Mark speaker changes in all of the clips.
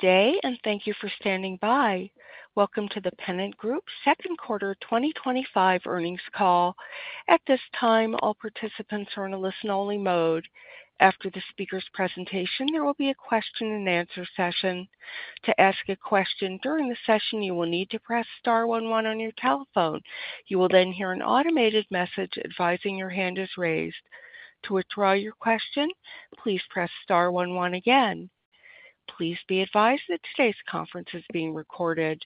Speaker 1: Good day and thank you for standing by. Welcome to The Pennant Group Second Quarter 2025 Earnings Call. At this time all participants are in a listen-only mode. After the speaker's presentation there will be a question and answer session. To ask a question during the session you will need to press star one one on your telephone. You will then hear an automated message advising your hand is raised. To withdraw your question, please press star one one again. Please be advised that today's conference is being recorded.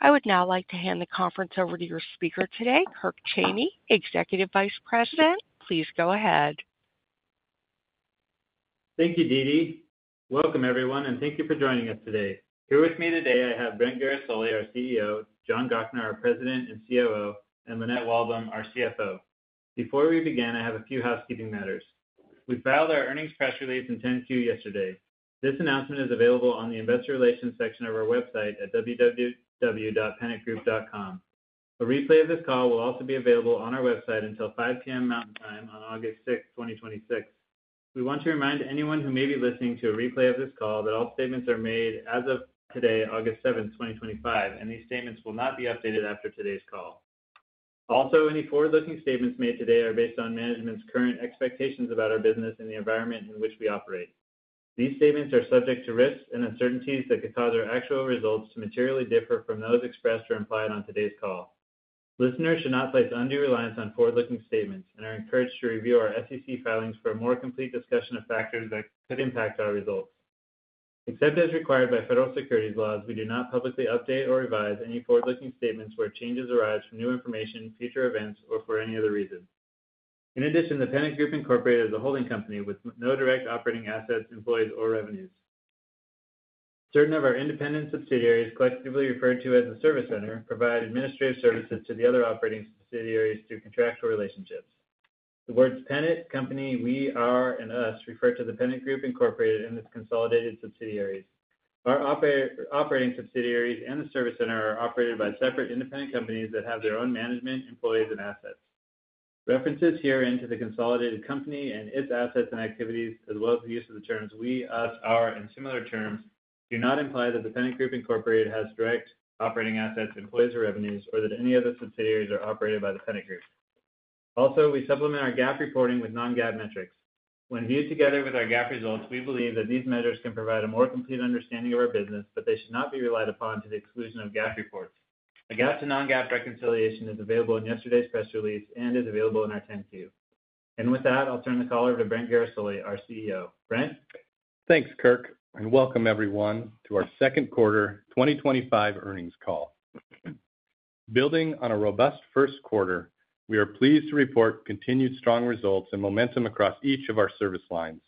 Speaker 1: I would now like to hand the conference over to your speaker today, Kirk Cheney, Executive Vice President. Please go ahead.
Speaker 2: Thank you, DeeDee. Welcome everyone and thank you for joining us today. Here with me today I have Brent Guerisoli, our CEO, John Gochnour, our President and COO, and Lynette Walbom, our CFO. Before we begin, I have a few housekeeping matters. We filed our earnings press release and 10Q yesterday. This announcement is available on the Investor Relations section of our website at www.pennantgroup.com. A replay of this call will also be available. Be available on our website until 5:00 P.M. Mountain Time on August 6, 2026. We want to remind anyone who may be listening to a replay of this call that all statements are made as of today, August 7, 2025, and these statements will not be updated after today's call. Also, any forward-looking statements made today are based on management's current expectations about our business and the environment in which we operate. These statements are subject to risks and uncertainties that could cause our actual results to materially differ from those expressed or implied on today's call. Listeners should not place undue reliance on forward-looking statements and are encouraged to review our SEC filings for a more complete discussion of factors that could impact our results. Except as required by federal securities laws, we do not publicly update or revise any forward-looking statements where changes arise from new information, future events, or for any other reasons. In addition, The Pennant Group Incorporated is a holding company with no direct operating assets, employees, or revenues. Certain of our independent subsidiaries, collectively referred to as the Service Center, provide administrative services to the other operating subsidiaries through contractual relationships. The words Pennant, company, we, are, and us refer to The Pennant Group Incorporated and its consolidated subsidiaries. Our operating subsidiaries and the Service Center are operated by separate independent companies that have their own management, employees, and assets. References herein to the consolidated company and its assets and activities, as well as the use of the terms we, us, our, and similar terms, do not imply that The Pennant Group Incorporated has direct operating assets, employees, or revenues, or that any of the subsidiaries are operated by The Pennant Group. Also, we supplement our GAAP reporting with non-GAAP metrics. When viewed together with our GAAP results, we believe that these measures can provide a more complete understanding of our business, but they should not be relied upon to the exclusion of GAAP reports. A GAAP to non-GAAP reconciliation is available in yesterday's press release and is available in our 10-Q, and with that, I'll turn the call over to Brent Guerisoli, our CEO.
Speaker 3: Brent, thanks Kirk, and welcome everyone to our Second Quarter 2025 Earnings Call. Building on a robust first quarter, we are pleased to report continued strong results and momentum across each of our service lines.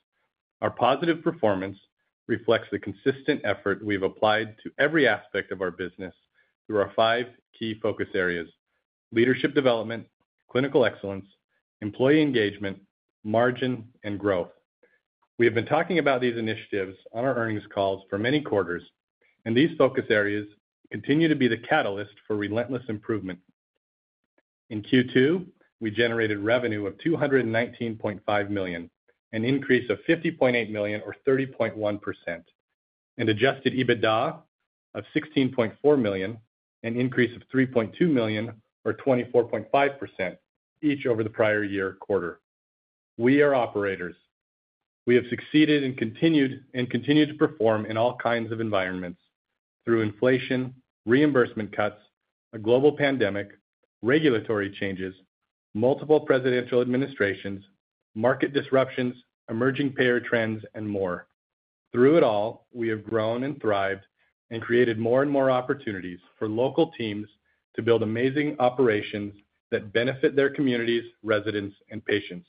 Speaker 3: Our positive performance reflects the consistent effort we've applied to every aspect of our business through our five key focus areas: Leadership Development, Clinical Excellence, Employee Engagement, margin, and growth. We have been talking about these initiatives on our earnings calls for many quarters, and these focus areas continue to be the catalyst for relentless improvement. In Q2, we generated revenue of $219.5 million, an increase of $50.8 million or 30.1%. Adjusted EBITDA of $16.4 million, an increase of $3.2 million or 24.5% each over the prior year quarter. We are operators. We have succeeded and continue to perform in all kinds of environments through inflation, reimbursement cuts, a global pandemic, regulatory changes, multiple presidential administrations, market disruptions, emerging payer trends, and more. Through it all, we have grown and thrived and created more and more opportunities for local teams to build amazing operations that benefit their communities, residents, and patients.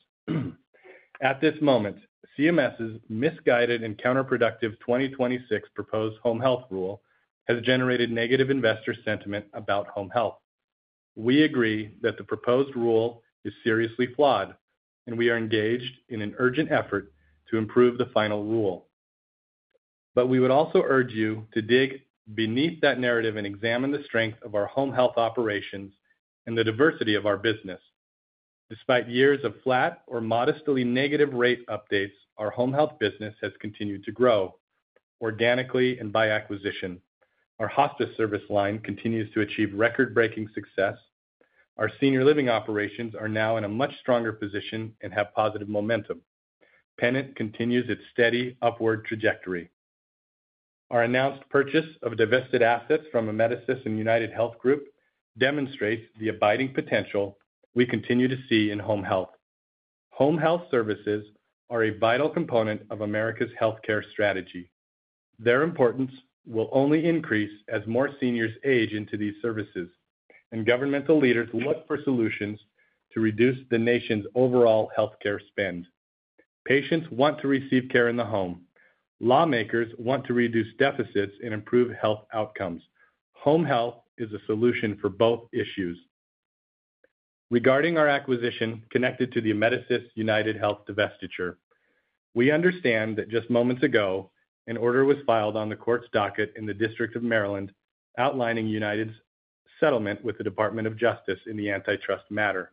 Speaker 3: At this moment, CMS's misguided and counterproductive 2026 proposed home health rule has generated negative investor sentiment about home health. We agree that the proposed rule is seriously flawed, and we are engaged in an urgent effort to improve the final rule. We would also urge you to dig beneath that narrative and examine the strength of our home health operations and the diversity of our business. Despite years of flat or modestly negative rate updates, our home health business has continued to grow organically and by acquisition. Our hospice service line continues to achieve record-breaking success. Our senior living operations are now in a much stronger position and have positive momentum. Pennant continues its steady upward trajectory. Our announced purchase of divested assets from Amedisys and UnitedHealth Group demonstrates the abiding potential we continue to see in home health. Home health services are a vital component of America's healthcare strategy. Their importance will only increase as more seniors age into these services and governmental leaders look for solutions to reduce the nation's overall health care spend. Patients want to receive care in the home. Lawmakers want to reduce deficits and improve health outcomes. Home health is a solution for both issues. Regarding our acquisition connected to the Amedisys-UnitedHealth divestiture, we understand that just moments ago an order was filed on the Court's docket in the District of Maryland outlining United's settlement with the Department of Justice in the antitrust matter.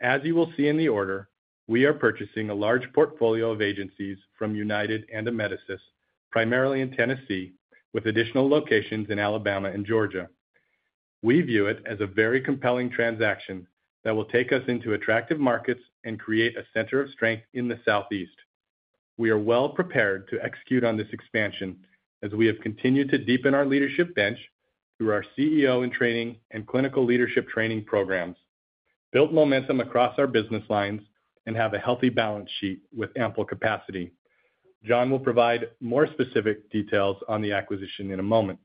Speaker 3: As you will see in the order, we are purchasing a large portfolio of agencies from United and Amedisys, primarily in Tennessee with additional locations in Alabama and Georgia. We view it as a very compelling transaction that will take us into attractive markets and create a center of strength in the Southeast. We are well prepared to execute on this expansion as we have continued to deepen our leadership bench through our CEO in Training and clinical leadership training programs, built momentum across our business lines, and have a healthy balance sheet with ample capacity. John will provide more specific details on the acquisition in a moment.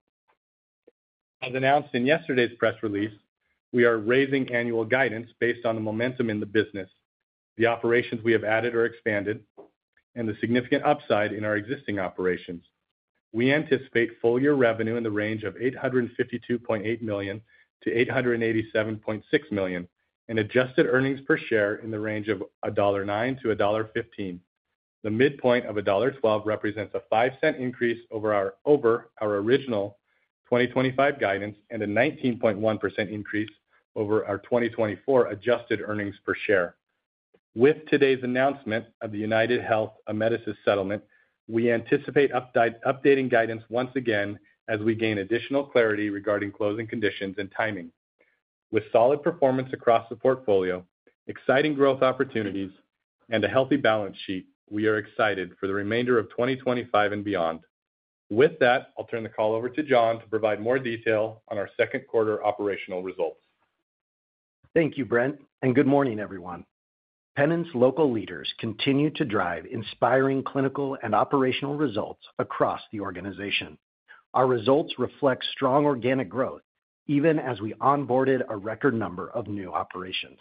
Speaker 3: As announced in yesterday's press release, we are raising annual guidance based on the momentum in the business, the operations we have added or expanded, and the significant upside in our existing operations. We anticipate full year revenue in the range of $852.8 million-$887.6 million and adjusted earnings per share in the range of $1.09-$1.15. The midpoint of $1.12 represents a $0.05 increase over our original 2025 guidance and a 19.1% increase over our 2024 adjusted earnings per share. With today's announcement of the UnitedHealth Amedisys settlement, we anticipate updating guidance once again as we gain additional clarity regarding closing conditions and timing. With solid performance across the portfolio, exciting growth opportunities, and a healthy balance sheet, we are excited for the remainder of 2025 and beyond. With that, I'll turn the call over to John to provide more detail on our second quarter operational results.
Speaker 4: Thank you, Brent, and good morning, everyone. Pennant's local leaders continue to drive inspiring clinical and operational results across the organization. Our results reflect strong organic growth even as we onboarded a record number of new operations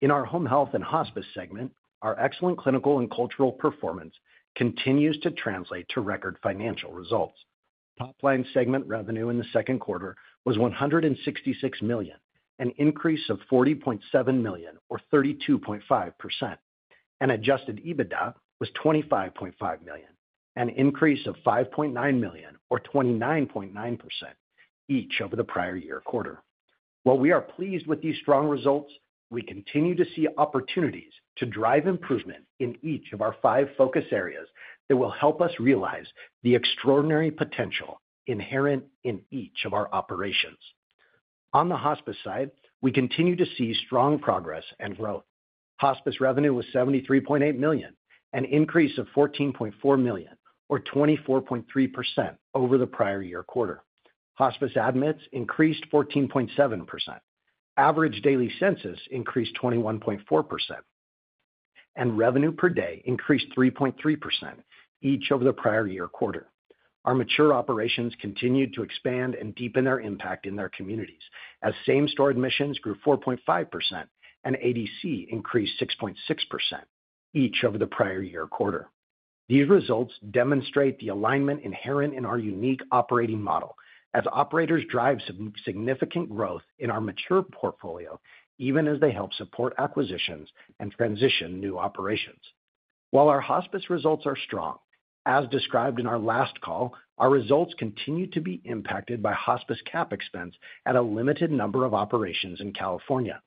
Speaker 4: in our Home Health and Hospice segment. Our excellent clinical and cultural performance continues to translate to record financial results. Top line segment revenue in the second quarter was $166 million, an increase of $40.7 million or 32.5%, and adjusted EBITDA was $25.5 million, an increase of $5.9 million or 29.9% each over the prior year quarter. While we are pleased with these strong results, we continue to see opportunities to drive improvement in each of our five focus areas that will help us realize the extraordinary potential inherent in each of our operations. On the Hospice side, we continue to see strong progress and growth. Hospice revenue was $73.8 million, an increase of $14.4 million or 24.3% over the prior year quarter. Hospice admits increased 14.7%, average daily census increased 21.4%, and revenue per day increased 3.3% each over the prior year quarter. Our mature operations continued to expand and deepen their impact in their communities as same store admissions grew 4.5% and ADC increased 6.6% each over the prior year quarter. These results demonstrate the alignment inherent in our unique operating model as operators drive significant growth in our mature portfolio even as they help support acquisitions and transition new operations. While our Hospice results are strong, as described in our last call, our results continue to be impacted by hospice cap expense at a limited number of operations in California.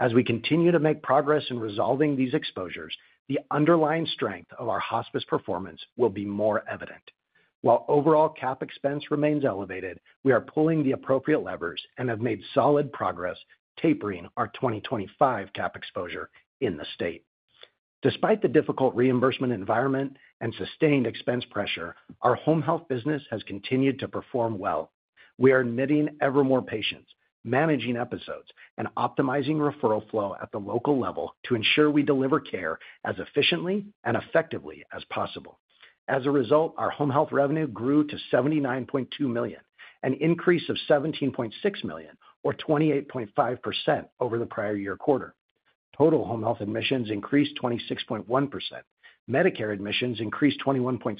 Speaker 4: As we continue to make progress in resolving these exposures, the underlying strength of our Hospice performance will be more evident. While overall cap expense remains elevated, we are pulling the appropriate levers and have made solid progress tapering our 2025 cap exposure in the state. Despite the difficult reimbursement environment and sustained expense pressure, our Home Health business has continued to perform well. We are admitting ever more patients, managing episodes, and optimizing referral flow at the local level to ensure we deliver care as efficiently and effectively as possible. As a result, our home health revenue grew to $79.2 million, an increase of $17.6 million or 28.5% over the prior year quarter. Total home health admissions increased 26.1%, Medicare admissions increased 21.6%,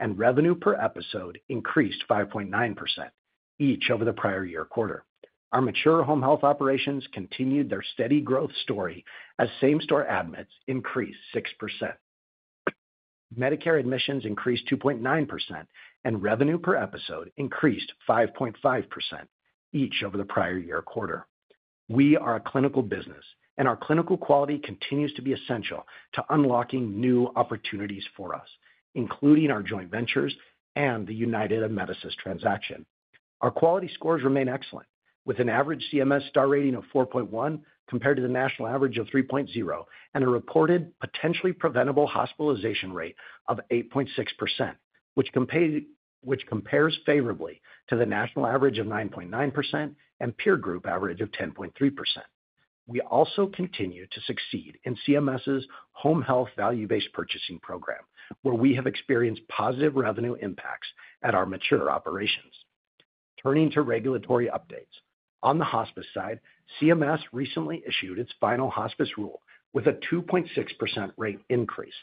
Speaker 4: and revenue per episode increased 5.9% each over the prior year quarter. Our mature home health operations continued their steady growth story as same store admits increased 6%, Medicare admissions increased 2.9%, and revenue per episode increased 5.5% each over the prior year quarter. We are a clinical business and our clinical quality continues to be essential to unlocking new opportunities for us, including our joint ventures and the United and Amedisys transaction. Our quality scores remain excellent with an average CMS star rating of 4.1 compared to the national average of 3.0 and a reported potentially preventable hospitalization rate of 8.6%, which compares favorably to the national average of 9.9% and peer group average of 10.3%. We also continue to succeed in CMS's Home Health Value Based Purchasing Program, where we have experienced positive revenue impacts at our mature operations. Turning to regulatory updates on the hospice side, CMS recently issued its final hospice rule with a 2.6% rate increase.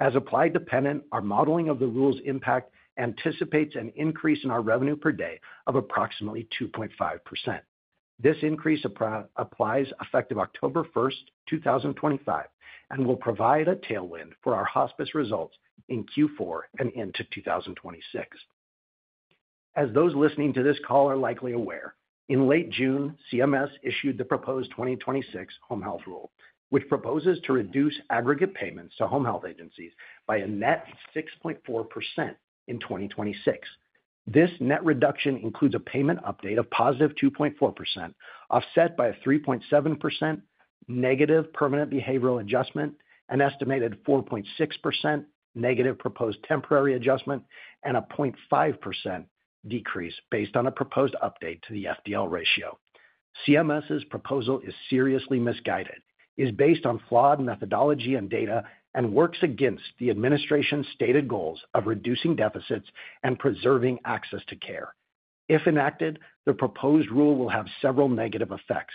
Speaker 4: As applied to Pennant, our modeling of the rule's impact anticipates an increase in our revenue per day of approximately 2.5%. This increase applies effective October 1st, 2025, and will provide a tailwind for our hospice results in Q4 and into 2026. As those listening to this call are likely aware, in late June, CMS issued the proposed 2026 home health rule, which proposes to reduce aggregate payments to home health agencies by a net 6.4% in 2026. This net reduction includes a payment update of positive 2.4% offset by a 3.7% negative, permanent behavioral adjustment, an estimated 4.6% negative proposed temporary adjustment, and a 0.5% decrease based on a proposed update to the FDL ratio. CMS's proposal is seriously misguided, is based on flawed methodology and data, and works against the administration's stated goals of reducing deficits and preserving access to care. If enacted, the proposed rule will have several negative effects.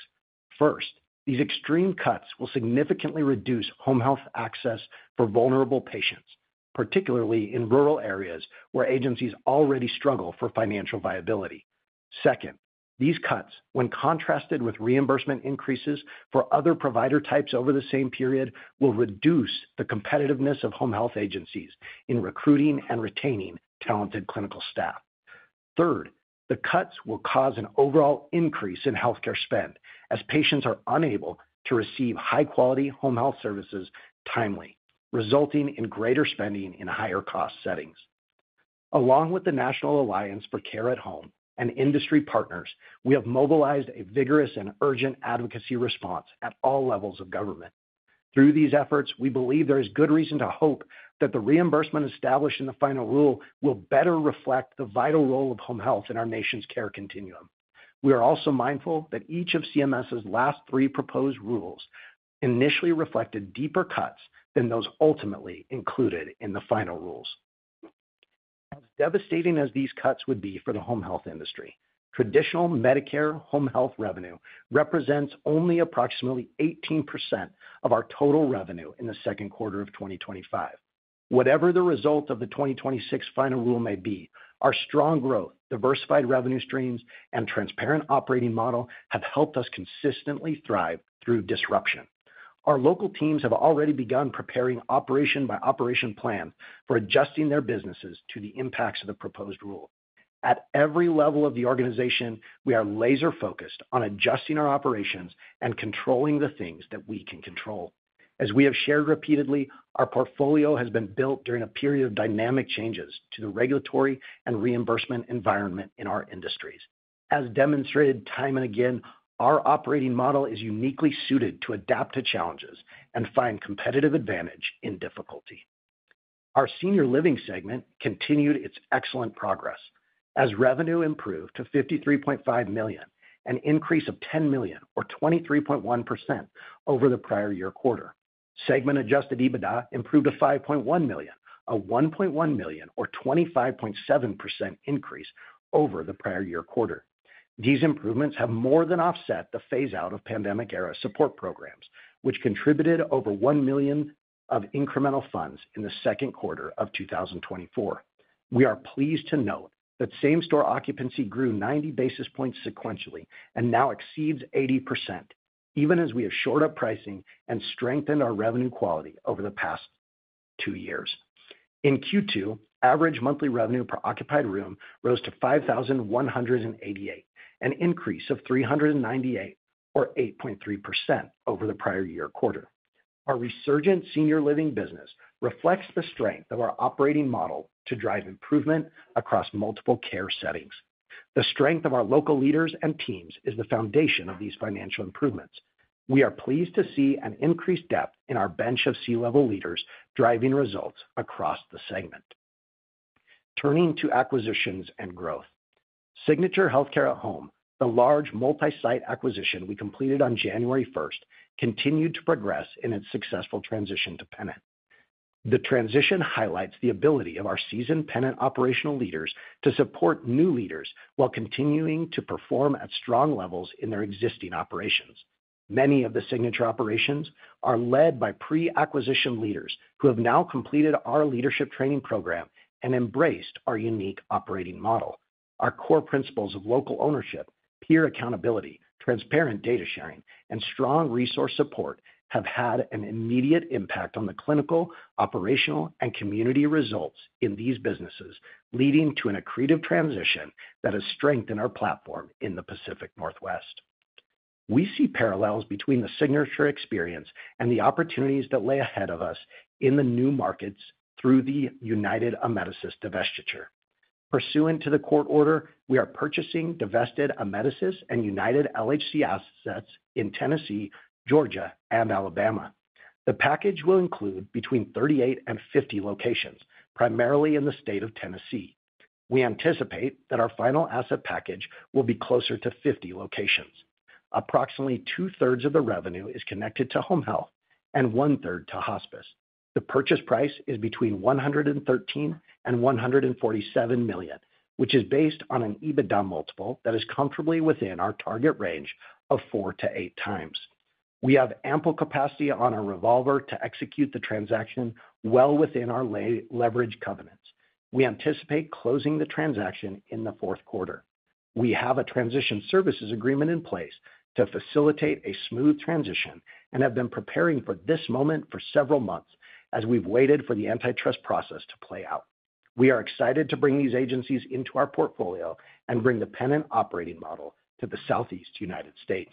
Speaker 4: First, these extreme cuts will significantly reduce home health access for vulnerable patients, particularly in rural areas where agencies already struggle for financial viability. Second, these cuts, when contrasted with reimbursement increases for other provider types over the same period, will reduce the competitiveness of home health agencies in recruiting and retaining talented clinical staff. Third, the cuts will cause an overall increase in healthcare spend as patients are unable to receive high quality home health services timely, resulting in greater spending in higher cost settings. Along with the National Alliance for Care at Home and industry partners, we have mobilized a vigorous and urgent advocacy response at all levels of government. Through these efforts, we believe there is good reason to hope that the reimbursement established in the final rule will better reflect the vital role of home health in our nation's care continuum. We are also mindful that each of CMS's last three proposed rules initially reflected deeper cuts than those ultimately included in the final rules. As devastating as these cuts would be for the home health industry, traditional Medicare home health revenue represents only approximately 18% of our total revenue in the second quarter of 2025. Whatever the result of the 2026 final rule may be, our strong growth, diversified revenue streams, and transparent operating model have helped us consistently thrive through disruption. Our local teams have already begun preparing operation by operation plan for adjusting their businesses to the impacts of the closed rule at every level of the organization. We are laser focused on adjusting our operations and controlling the things that we can control. As we have shared repeatedly, our portfolio has been built during a period of dynamic changes to the regulatory and reimbursement environment in our industries. As demonstrated time and again, our operating model is uniquely suited to adapt to challenges and find competitive advantage in difficulty. Our Senior Living segment continued its excellent progress as revenue improved to $53.5 million, an increase of $10 million or 23.1% over the prior year quarter. Segment adjusted EBITDA improved to $5.1 million, a $1.1 million or 25.7% increase over the prior year quarter. These improvements have more than offset the phase out of pandemic era support programs which contributed over $1 million of incremental funds in the second quarter of 2024. We are pleased to note that same store occupancy grew 90 basis points sequentially and now exceeds 80% even as we have shored up pricing and strengthened our revenue quality over the past two years. In Q2, average monthly revenue per occupied room rose to $5,188, an increase of $398 or 8.3% over the prior year quarter. Our resurgent Senior Living business reflects the strength of our operating model to drive improvement across multiple care settings. The strength of our local leaders and teams is the foundation of these financial improvements. We are pleased to see an increased depth in our bench of C-level leaders driving results across the segment. Turning to acquisitions and growth, Signature Healthcare at Home, the large multi-site acquisition we completed on January 1st, continued to progress in its successful transition to Pennant. The transition highlights the ability of our seasoned Pennant operational leaders to support new leaders while continuing to perform at strong levels in their existing operations. Many of the Signature operations are led by pre-acquisition leaders who have now completed our leadership training program and embraced our unique operating model. Our core principles of local ownership, peer accountability, transparent data sharing, and strong resource support have had an immediate impact on the clinical, operational, and community results in these businesses, leading to an accretive transition that has strengthened our platform in the Pacific Northwest. We see parallels between the Signature experience and the opportunities that lay ahead of us in the new markets through the United Amedisys divestiture. Pursuant to the court order, we are purchasing divested Amedisys and United LHC assets in Tennessee, Georgia, and Alabama. The package will include between 38-50 locations, primarily in the state of Tennessee. We anticipate that our final asset package will be closer to 50 locations. Approximately two-thirds of the revenue is connected to Home Health and one-third to Hospice. The purchase price is between $113 million-$147 million, which is based on an EBITDA multiple that is comfortably within our target range of four to eight times. We have ample capacity on our revolver to execute the transaction well within our leverage covenants. We anticipate closing the transaction in the fourth quarter. We have a transition services agreement in place to facilitate a smooth transition and have been preparing for this moment for several months as we've waited for the antitrust process to play out. We are excited to bring these agencies into our portfolio and bring the Pennant operating model to the Southeast United States.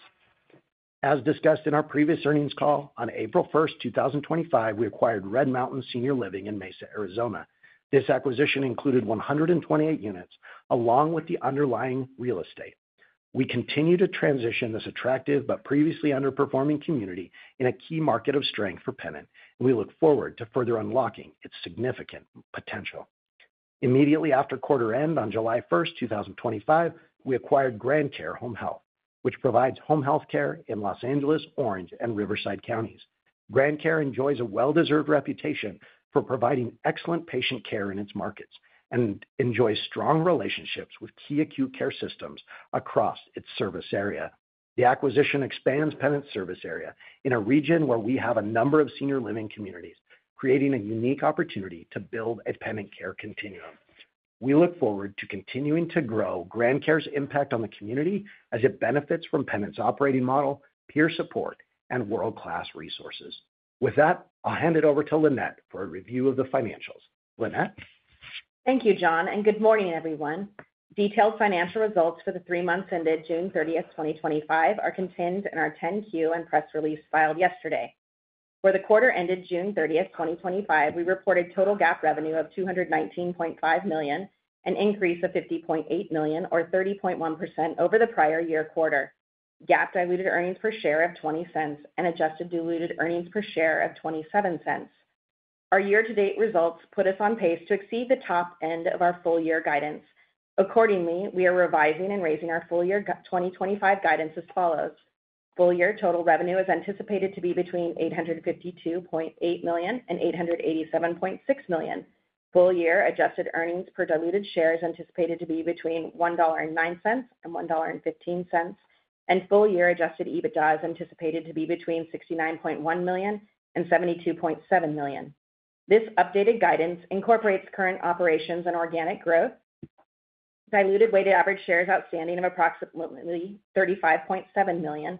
Speaker 4: As discussed in our previous earnings call, on April 1st, 2025, we acquired Red Mountain Senior Living in Mesa, Arizona. This acquisition included 128 units along with the underlying real estate. We continue to transition this attractive but previously underperforming community in a key market of strength for Pennant, and we look forward to further unlocking its significant potential immediately after quarter end. On July 1st, 2025, we acquired Grand Care Home Health, which provides home health care in Los Angeles, Orange, and Riverside Counties. Grand Care enjoys a well-deserved reputation for providing excellent patient care in its markets and enjoys strong relationships with key acute care systems across its service area. The acquisition expands Pennant service area in a region where we have a number of senior living communities, creating a unique opportunity to build a Pennant care continuum. We look forward to continuing to grow Grand Care's impact on the community as it benefits from Pennant's operating model, peer support, and world-class resources. With that, I'll hand it over to Lynette for a review of the financials.
Speaker 5: Lynette, thank you John, and good morning everyone. Detailed financial results for the three months ended June 30th, 2025, are contained in our 10-Q and press release filed yesterday. For the quarter ended June 30, 2025, we reported total GAAP revenue of $219.5 million, an increase of $50.8 million or 30.1% over the prior year quarter, GAAP diluted earnings per share of $0.20, and adjusted diluted earnings per share of $0.27. Our year-to-date results put us on pace to exceed the top end of our full year guidance. Accordingly, we are revising and raising our full year 2025 guidance as follows. Full year total revenue is anticipated to be between $852.8 million-$887.6 million, full year adjusted earnings per diluted share is anticipated to be between $1.09-$1.15, and full year adjusted EBITDA is anticipated to be between $69.1 million-$72.7 million. This updated guidance incorporates current operations and organic growth, diluted weighted average shares outstanding of approximately 35.7 million,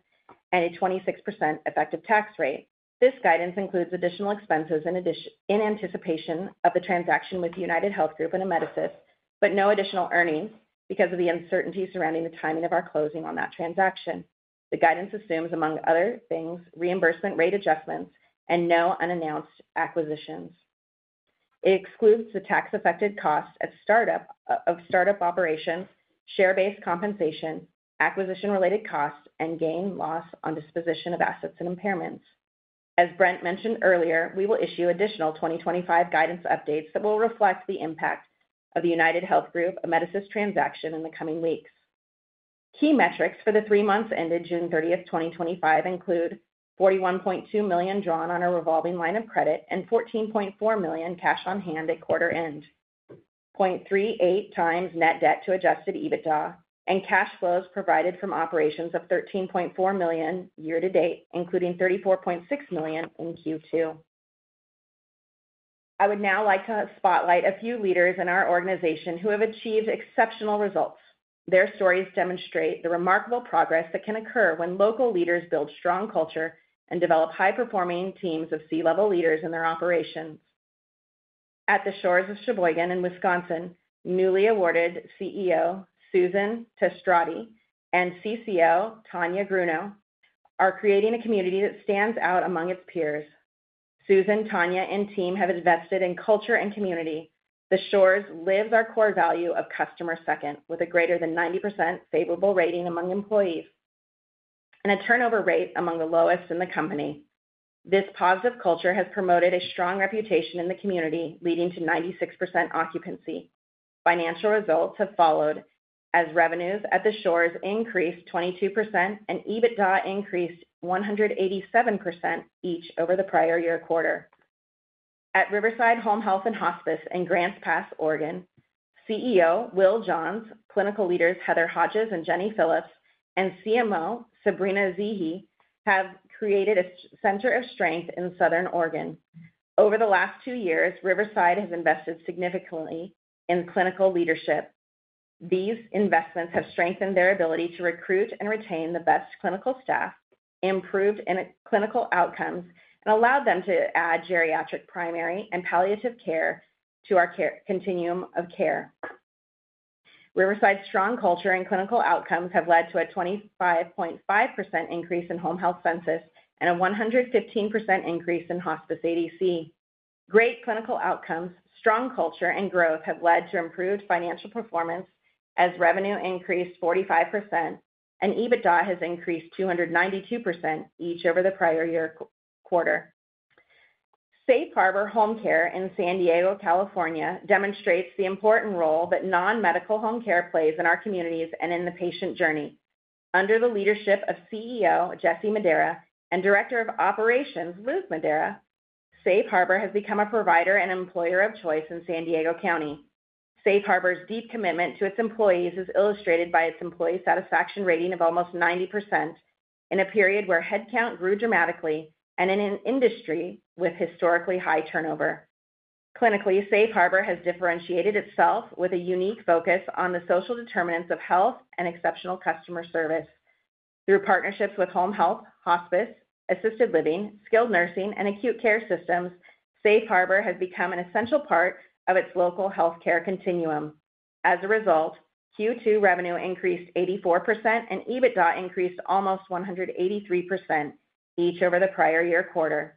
Speaker 5: and a 26% effective tax rate. This guidance includes additional expenses in anticipation of the transaction with UnitedHealth Group and Amedisys, but no additional earnings because of the uncertainty surrounding the timing of our closing on that transaction. The guidance assumes, among other things, reimbursement rate adjustments and no unannounced acquisitions. It excludes the tax-affected costs at startup of startup operations, share-based compensation, acquisition-related costs, and gain or loss on disposition of assets and impairments. As Brent mentioned earlier, we will issue additional 2025 guidance updates that will reflect the impact of the UnitedHealth Group Amedisys transaction in the coming weeks. Key metrics for the three months ended June 30th, 2025, include $41.2 million drawn on a revolving line of credit and $14.4 million cash on hand at quarter end, 0.38x net debt to adjusted EBITDA, and cash flows provided from operations of $13.4 million year to date, including $34.6 million in Q2. I would now like to spotlight a few leaders in our organization who have achieved exceptional results. Their stories demonstrate the remarkable progress that can occur when local leaders build strong culture and develop high-performing teams of C-level leaders in their operations. At the Shores of Sheboygan in Wisconsin, newly awarded CEO Susan Testradi and CCO Tonya Gruno are creating a community that stands out among its peers. Susan, Tanya and team have invested in culture and community. The Shores lives our core value of customer second with a greater than 90% favorable rating among employees and a turnover rate among the lowest in the company. This positive culture has promoted a strong reputation in the community, leading to 96% occupancy. Financial results have followed as revenues at The Shores increased 22% and EBITDA increased 187% each over the prior year quarter. At Riverside Home Health and Hospice in Grants Pass, Oregon, CEO Will Johns, clinical leaders Heather Hodges and Jenny Phillips, and CMO Sabrina Zeehi have created a center of strength in Southern Oregon over the last two years. Riverside has invested significantly in clinical leadership. These investments have strengthened their ability to recruit and retain the best clinical staff, improved clinical outcomes, and allowed them to add geriatric, primary, and palliative care to our continuum of care. Riverside's strong culture and clinical outcomes have led to a 25.5% increase in home health census and a 115% increase in hospice ADC. Great clinical outcomes, strong culture, and growth have led to improved financial performance as revenue increased 45% and EBITDA has increased 292% each over the prior year quarter. Safe Harbor Home Care in San Diego, California demonstrates the important role that non-medical home care plays in our communities and in the patient journey. Under the leadership of CEO Jesse Madera and Director of Operations Liz Madera, Safe Harbor has become a provider and employer of choice in San Diego County. Safe Harbor's deep commitment to its employees is illustrated by its employee satisfaction rating of almost 90% in a period where headcount grew dramatically and in an industry with historically high turnover. Clinically, Safe Harbor has differentiated itself with a unique focus on the social determinants of health and exceptional customer service. Through partnerships with home health, hospice, assisted living, skilled nursing, and acute care systems, Safe Harbor has become an essential part of its local healthcare continuum. As a result, Q2 revenue increased 84% and EBITDA increased almost 183% each over the prior year quarter.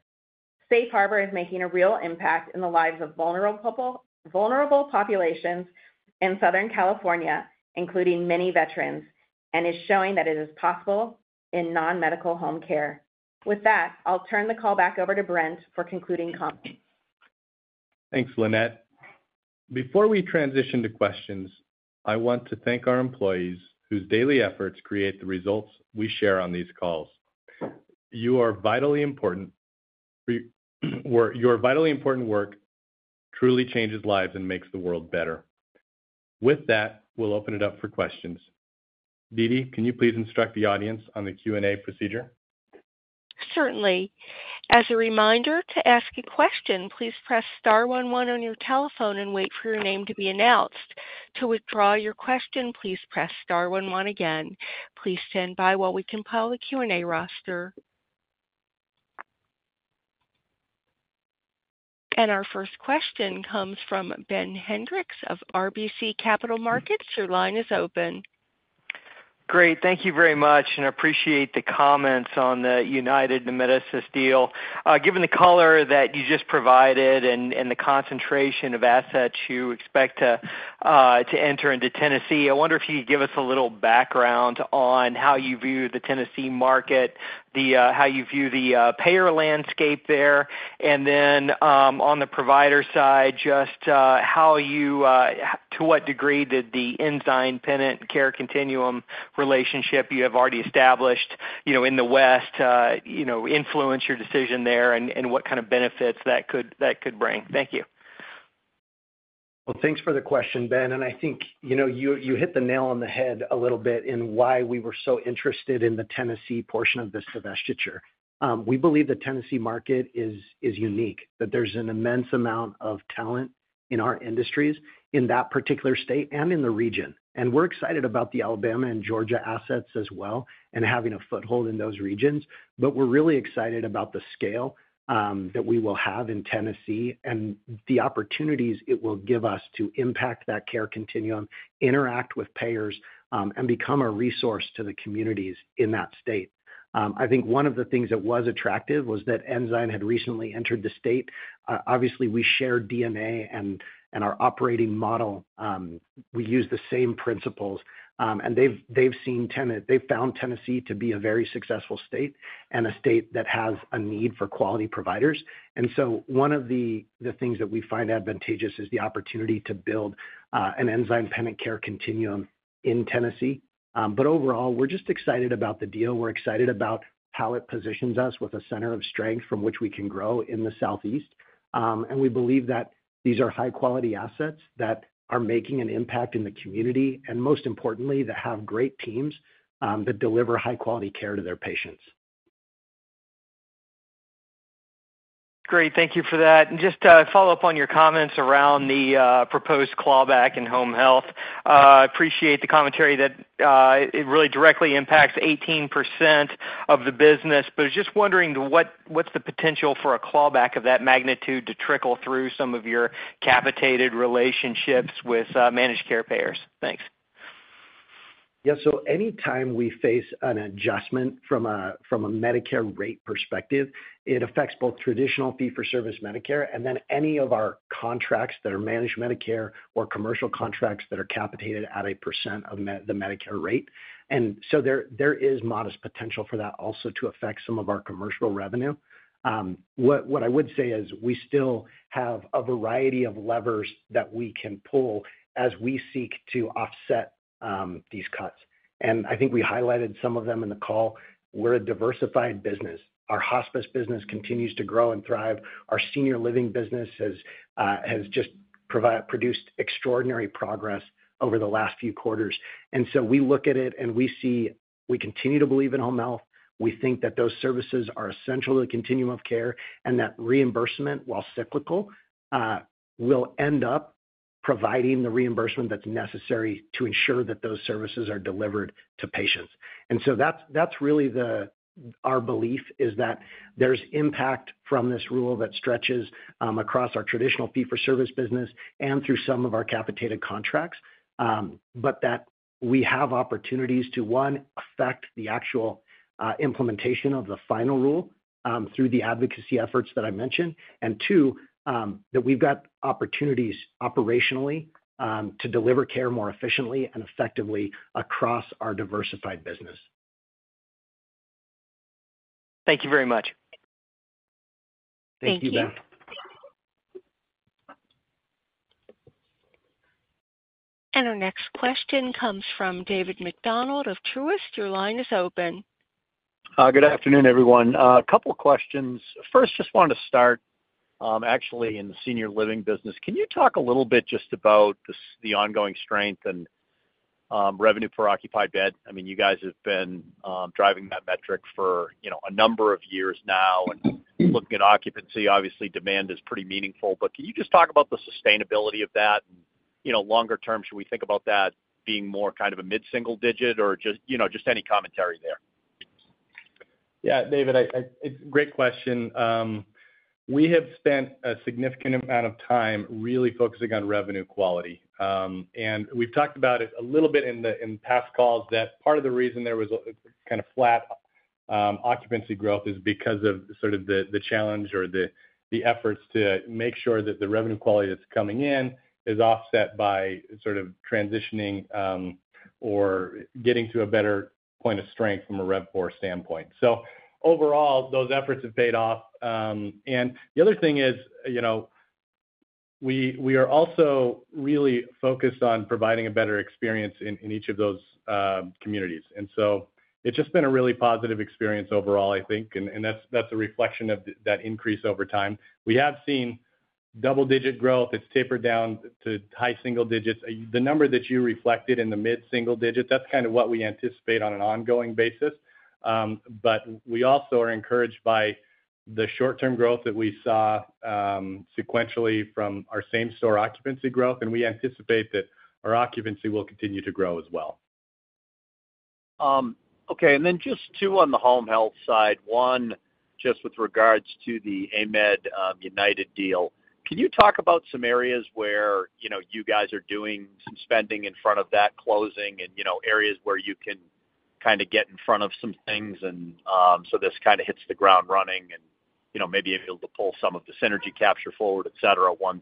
Speaker 5: Safe Harbor is making a real impact in the lives of vulnerable populations in Southern California, including many veterans, and is showing that it is possible in non-medical home care. With that, I'll turn the call back over to Brent for concluding comments.
Speaker 3: Thanks, Lynette. Before we transition to questions, I want to thank our employees whose daily efforts create the results we share on these calls. You are vitally important. Your vitally important work truly changes lives and makes the world better. With that, we'll open it up for questions. Deedee, can you please instruct the audience on the Q&A procedure?
Speaker 1: Certainly. As a reminder to ask a question, please press star one one on your telephone and wait for your name to be announced. To withdraw your question, please press star one one again. Please stand by while we compile the Q&A roster and our first question comes from Ben Hendrix of RBC Capital Markets. Your line is open.
Speaker 6: Great. Thank you very much. I appreciate the comments on the United Amedisys deal. Given the color that you just provided and the concentration of assets you expect to enter into Tennessee, I wonder if you could give us a little background on how you view the Tennessee market, how you view the payer landscape there, and then on the provider side, to what degree did the Ensign tenant care continuum relationship you have already established in the West influence your decision there and what kind of benefits that could bring. Thank you.
Speaker 4: Thanks for the question, Ben. I think you hit the nail on the head a little bit in why we were so interested in the Tennessee portion of the divestiture. We believe the Tennessee market is unique, that there's an immense amount of talent in our industries in that particular state and in the region. We're excited about the Alabama and Georgia assets as well and having a foothold in those regions. We're really excited about the scale that we will have in Tennessee and the opportunities it will give us to impact that care continuum, interact with payers, and become a resource to the communities in that state. I think one of the things that was attractive was that Ensign had recently entered the state. Obviously, we share DNA and our operating model. We use the same principles and they've found Tennessee to be a very successful state and a state that has a need for quality providers. One of the things that we find advantageous is the opportunity to build a Pennant care continuum in Tennessee. Overall, we're just excited about the deal. We're excited about how it positions us with a center of strength from which we can grow in the Southeast. We believe that these are high quality assets that are making an impact in the community and most importantly, that have great teams that deliver high quality care to their patients.
Speaker 6: Great. Thank you for that. Just to follow up on your comments around the proposed clawback in home health, I appreciate the commentary that it really directly impacts 18% of the business. I was just wondering, what's the potential for a clawback of that magnitude to trickle through some of your capitated relationships with managed care payers. Thanks.
Speaker 4: Any time we face an adjustment from a Medicare rate perspective, it affects both traditional fee for service Medicare and then any of our contracts that are managed Medicare or commercial contracts that are capitated at a % of the Medicare rate. There is modest potential for that also to affect some of our commercial revenue. What I would say is we still have a variety of levers that we can pull as we seek to offset these cuts. I think we highlighted some of them in the call. We're a diversified business. Our hospice business continues to grow and thrive. Our senior living business has just produced extraordinary progress over the last few quarters. We look at it and we see we continue to believe in home health. We think that those services are essential to the continuum of care and that reimbursement, while cyclical, will end up providing the reimbursement that's necessary to ensure that those services are delivered to patients. That's really our belief, that there's impact from this rule that stretches across our traditional fee for service business and through some of our capitated contracts, but that we have opportunities to, one, affect the actual implementation of the final rule through the advocacy efforts that I mentioned and, two, that we've got opportunities operationally to deliver care more efficiently and effectively across our diversified business.
Speaker 6: Thank you very much.
Speaker 4: Thank you, Ben.
Speaker 1: Our next question comes from David MacDonald of Truist. Your line is open.
Speaker 7: Good afternoon, everyone. A couple of questions first. Just wanted to start actually in the Senior Living business. Can you talk a little bit about the ongoing strength and revenue per occupied debt? I mean you guys have been driving that metric for a number of years now. Looking at occupancy, obviously demand is pretty meaningful. Can you just talk about the sustainability of that, you know, longer term, should we think about that being more kind of a mid single digit, or just, you know, just any commentary there?
Speaker 3: Yeah, David, great question. We have spent a significant amount of time really focusing on revenue quality, and we've talked about it a little bit in the past call that part of the reason there was kind of flat occupancy growth is because of the challenge or the efforts to make sure that the revenue quality that's coming in is offset by transitioning or getting to a better point of strength from a Rev4 standpoint. Overall, those efforts have paid off. The other thing is, we are also really focused on providing a better experience in each of those communities. It's just been a really positive experience overall, I think, and that's a reflection of that increase over time. We have seen double-digit growth; it's tapered down to high single digits. The number that you reflected in the mid-single digit, that's kind of what we anticipate on an ongoing basis. We also are encouraged by the short-term growth that we saw sequentially from our same store occupancy growth, and we anticipate that our occupancy will continue to grow as well.
Speaker 7: Okay, and then just two on the home health side. One just with regards to the Amed-United deal. Can you talk about some areas where you know, you guys are doing spending in front of that closing and you know, areas where you can kind of get in front of some things so this kind of hits the ground running and you know maybe able to pull some of the synergy capture forward, etc. once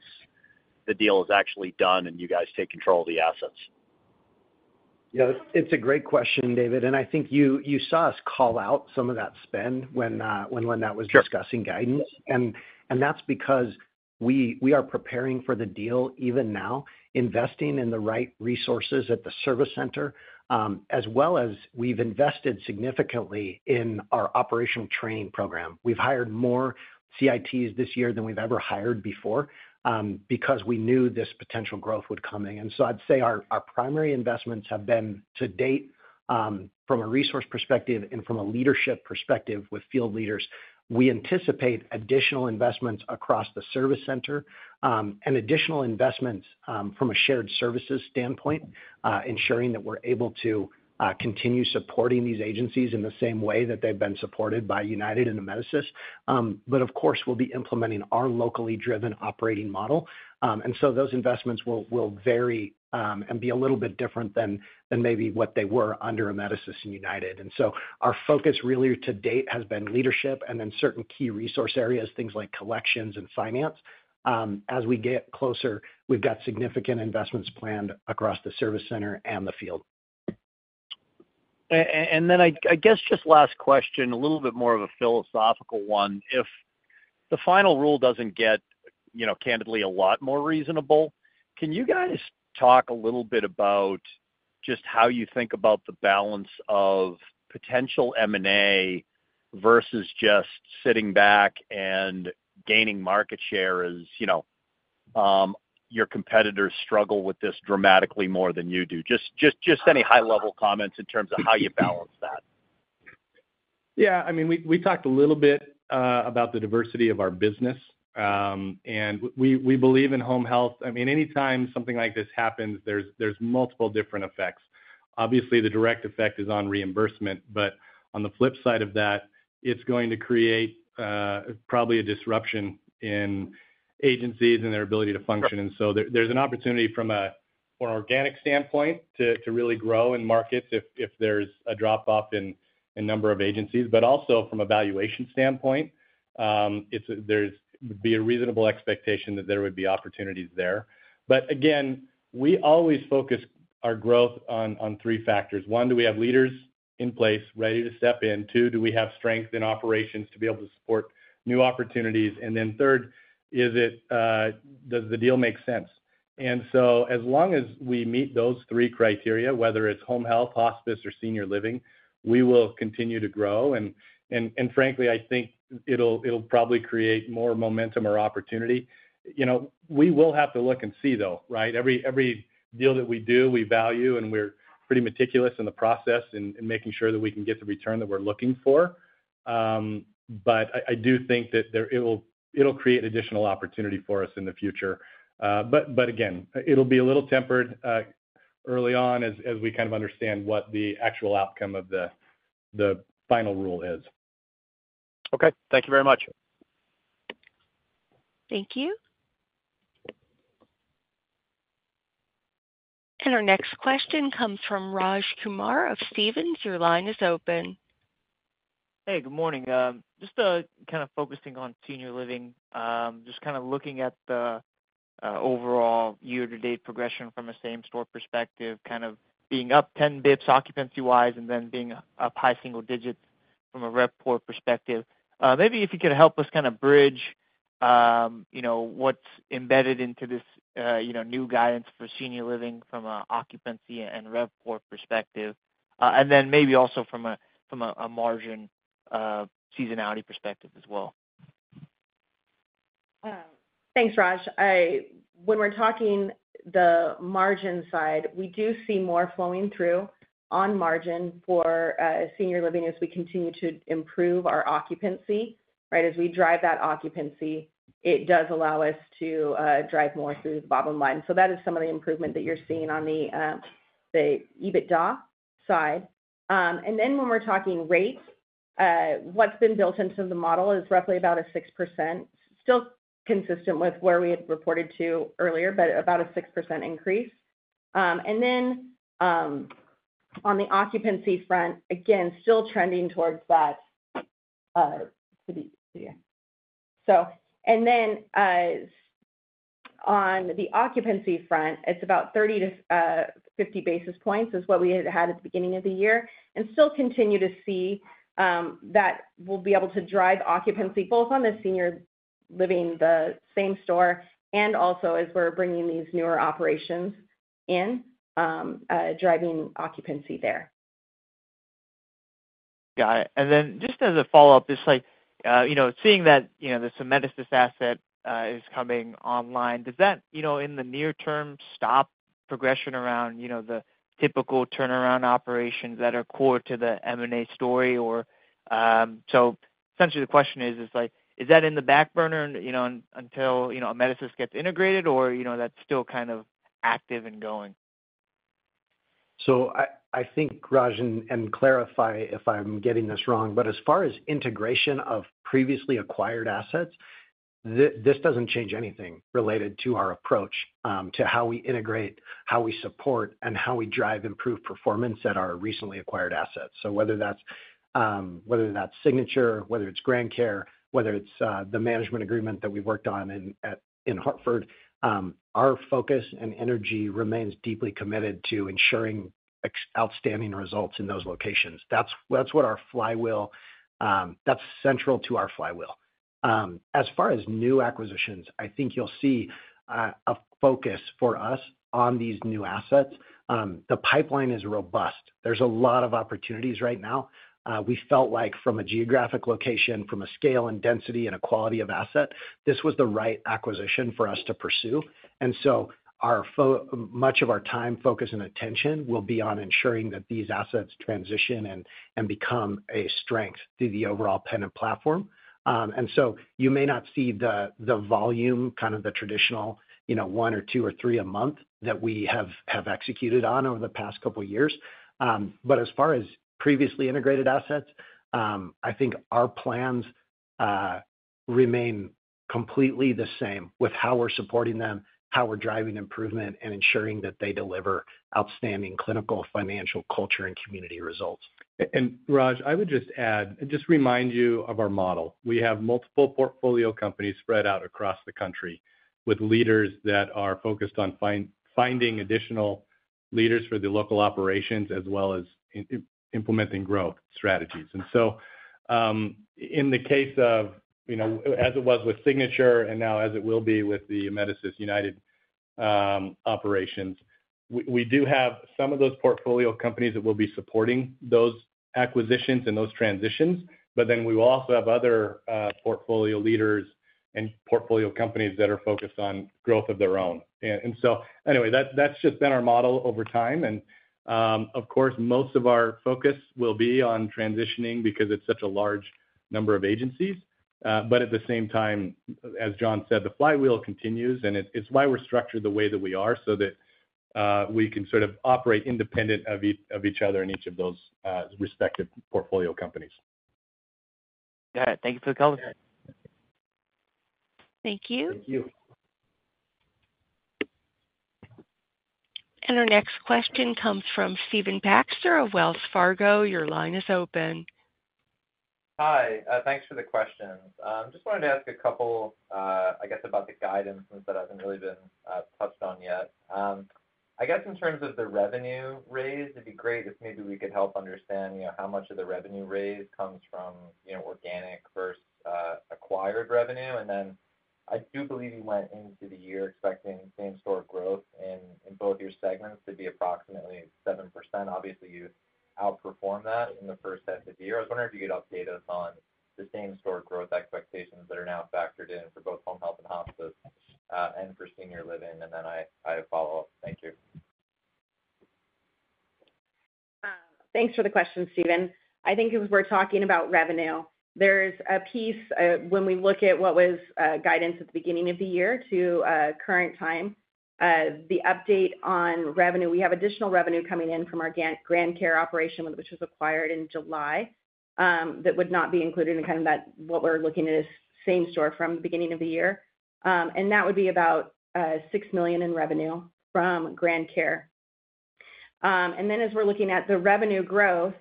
Speaker 7: the deal is actually done and you guys take control of the assets.
Speaker 4: Yeah, it's a great question, David. I think you saw us call out some of that spend when Lynette was discussing guidance. That's because we are preparing for the deal even now, investing in the right resources at the service center as well as we've invested significantly in our operational training program. We've hired more CITs this year than we've ever hired before because we knew this potential growth would come in. I'd say our primary investments have been to date from a resource perspective and from a leadership perspective with field leaders. We anticipate additional investments across the service center and additional investments from a shared services standpoint, ensuring that we're able to continue supporting these agencies in the same way that they've been supported by United and Amedisys. Of course, we'll be implementing our locally driven operating model. Those investments will vary and be a little bit different than maybe what they were under Amedisys and United. Our focus really to date has been leadership and then certain key resource areas, things like collections and finance. As we get closer, we've got significant investments planned across the service center and the field. I guess just last question.
Speaker 7: A little bit more of a philosophical one. If the final rule doesn't get, you know, candidly a lot more reasonable, can you guys talk a little bit about just how you think about the balance of potential M&A versus just sitting back and gaining market share? As you know, your competitors struggle with this dramatically more than you do. Just any high level comments in terms of how you balance that?
Speaker 3: Yeah, I mean, we talked a little bit about the diversity of our business and we believe in home health. I mean, anytime something like this happens, there are multiple different effects. Obviously, the direct effect is on reimbursement, but on the flip side of that, it's going to create probably a disruption in agencies and their ability to function. There is an opportunity from an organic standpoint to really grow in markets if there's a drop off in a number of agencies, but also from a valuation standpoint, there would be a reasonable expectation that there would be opportunities there. Again, we always focus our growth on three factors. One, do we have leaders in place ready to step in? Two, do we have strength in operations to be able to support new opportunities? Third, does the deal make sense? As long as we meet those three criteria, whether it's home health, hospice, or senior living, we will continue to grow. Frankly, I think it'll probably create more momentum or opportunity. We will have to look and see though. Every deal that we do, we value, and we're pretty meticulous in the process in making sure that we can get the return that we're looking for. I do think that it'll create additional opportunity for us in the future. Again, it'll be a little tempered early on as we kind of understand what the actual outcome of the final rule is.
Speaker 7: Okay, thank you very much.
Speaker 1: Thank you. Our next question comes from Raj Kumar of Stephens. Your line is open.
Speaker 8: Hey, good morning. Just kind of focusing on Senior Living. Just kind of looking at the overall year to date progression from a same store perspective, kind of being up 10 bps occupancy wise and then being up high single digit from a rev per perspective. Maybe if you could help us kind of bridge what's embedded into this new guidance for Senior Living from an occupancy and rev per perspective and then maybe also from a margin seasonality perspective as well.
Speaker 5: Thanks, Raj. When we're talking the margin side, we do see more flowing through on margin for Senior Living as we continue to improve our occupancy. Right. As we drive that occupancy, it does allow us to drive more through the bottom line. That is some of the improvement that you're seeing on the EBITDA side. When we're talking rates, what's been built into the model is roughly about a 6% still consistent with where we had reported to earlier, but about a 6% increase. On the occupancy front, again still trending towards that. On the occupancy front, it's about 30-50 basis points is what we had had at the beginning of the year and still continue to see that we'll be able to drive occupancy both on the Senior Living, the same store and also as we're bringing these newer operations in, driving occupancy there.
Speaker 8: Got it. Just as a follow up. It's like, you know, seeing that, you know, the Amedisys asset is coming online, does that, you know, in the near term stop progression around, you know, the typical turnaround operations that are core to the M&A story or so essentially the question is, it's like, is that in the back burner, you know, until, you know, Amedisys gets integrated or, you know, that's still kind of active and going.
Speaker 4: I think, Raj, and clarify if I'm getting this wrong, but as far as integration of previously acquired assets, this doesn't change anything related to our approach to how we integrate, how we support, and how we drive improved performance at our recently acquired assets. Whether that's Signature, Grand Care, or the management agreement that we've worked on in Hartford, our focus and energy remains deeply committed to ensuring outstanding results in those locations. That's central to our flywheel. As far as new acquisitions, you'll see a focus for us on these new assets. The pipeline is robust. There's a lot of opportunities right now. We felt like from a geographic location, from a scale and density and a quality of asset, this was the right acquisition for us to pursue. Much of our time, focus, and attention will be on ensuring that these assets transition and become a strength through the overall Pennant platform. You may not see the volume, kind of the traditional one or two or three a month that we have executed on over the past couple years. As far as previously integrated assets, our plans remain completely the same with how we're supporting them, how we're driving improvement, and ensuring that they deliver outstanding clinical, financial, culture, and community results.
Speaker 3: Raj, I would just add, just remind you of our model. We have multiple portfolio companies spread out across the country with leaders that are focused on finding additional leaders for the local operations as well as implementing growth strategies. In the case of, you know, as it was with Signature and now as it will be with the Amedisys-United operations, we do have some of those portfolio companies that will be supporting those acquisitions and those transitions. We will also have other portfolio leaders and portfolio companies that are focused on growth of their own. That's just been our model over time. Of course, most of our focus will be on transitioning because it's such a large number of agencies. At the same time, as John said, the flywheel continues. It's why we're structured the way that we are, so that we can sort of operate independent of each other in each of those respective portfolio companies.
Speaker 8: Got it. Thank you for [calling].
Speaker 1: Thank you. Our next question comes from Stephen Baxter of Wells Fargo. Your line is open.
Speaker 9: Hi. Thanks for the question. I just wanted to ask a couple about the guidance that hasn't really been touched on yet. In terms of the revenue raise, it'd be great if maybe we could help understand how much of the revenue raise comes from organic versus acquired revenue. I do believe you went into the year expecting same store growth in both your segments to be approximately 7%. Obviously, you outperform that in the first part of the year. I was wondering if you could update us on sustained store growth expectations that are now factored in for both home health and hospice and for senior living. I have a follow up. Thank you.
Speaker 5: Thanks for the question, Stephen. I think it was worth talking about revenue. There's a piece when we look at what was guidance at the beginning of the year to current time, the update on revenue, we have additional revenue coming in from our Grand Care operation which was acquired in July, that would not be included in kind of that. What we're looking at is same store from the beginning of the year and that would be about $6 million in revenue from Grand Care. As we're looking at the revenue growth,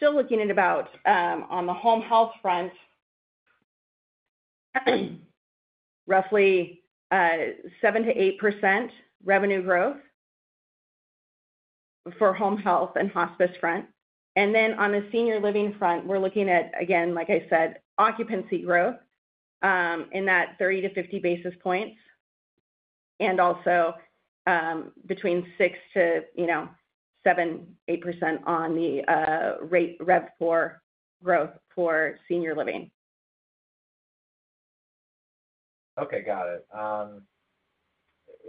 Speaker 5: still looking at about on the home health front, roughly 7%-8% revenue growth for home health and hospice front. On a senior living front, we're looking at again, like I said, occupancy growth in that 30-50 basis points and also between 6%-7%, 8% on the rate growth for senior living.
Speaker 9: Okay, got it.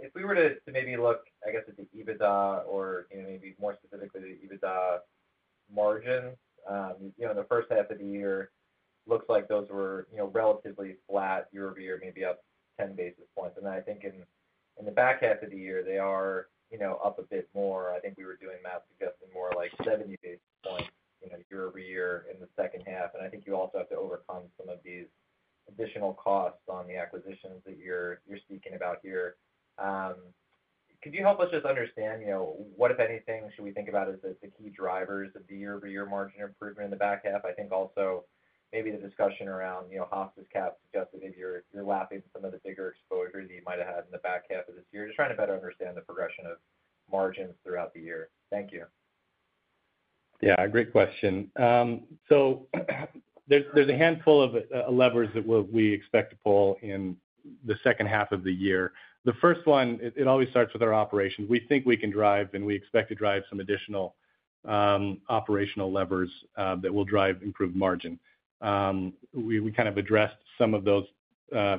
Speaker 9: If we were to maybe look, I guess at the EBITDA or maybe more specifically the EBITDA margin in the first half of the year, it looks like those were relatively flat year-over-year, maybe up 10 basis points. I think in the back half of the year they are up a bit more. I think we were doing math suggesting more like 70 basis points year-over-year in the second half. I think you also have to overcome some of these additional costs on the acquisitions that you're speaking about here. Could you help us just understand what, if anything, should we think about as the key drivers of the year-over-year margin improvement in the back half? I think also maybe the discussion around hospice cap. Maybe you're laughing at some of the bigger exposures you might have had in the back half of this year? Just trying to better understand the progression of margins throughout the year. Thank you.
Speaker 3: Yeah, great question. There's a handful of levers that we expect to pull in the second half of the year. The first one, it always starts with our operations. We think we can drive and we expect to drive some additional operational levers that will drive improved margin. We kind of addressed some of those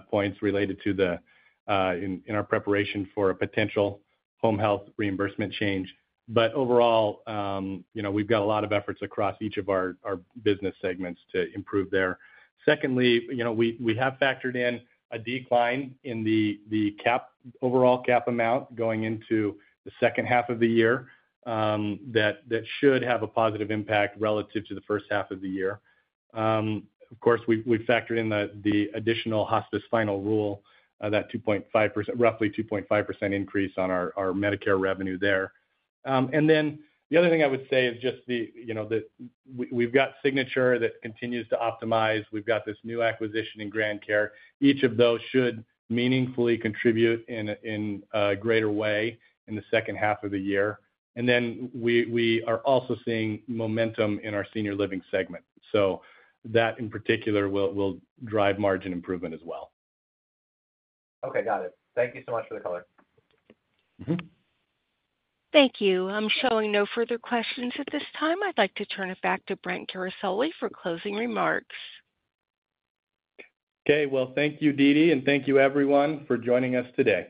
Speaker 3: points related to the in our preparation for a potential home health reimbursement change. Overall, we've got a lot of efforts across each of our business segments to improve there. Secondly, we have factored in a decline in the overall cap amount going into the second half of the year. That should have a positive impact relative to the first half of the year. Of course, we factored in the additional hospice final rule, that roughly 2.5% increase on our Medicare revenue there. The other thing I would say is just that we've got Signature that continues to optimize. We've got this new acquisition in Grand Care. Each of those should meaningfully contribute in a greater way in the second half of the year. We are also seeing momentum in our senior living segment. That in particular will drive margin improvement as well.
Speaker 9: Okay, got it. Thank you so much for the call.
Speaker 1: Thank you. I'm showing no further questions at this time. I'd like to turn it back to Brent Guerisoli for closing remarks.
Speaker 3: Okay. Thank you, Deedee, and thank you everyone for joining us today.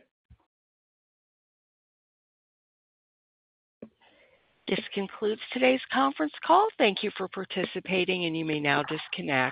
Speaker 1: This concludes today's conference call. Thank you for participating. You may now disconnect.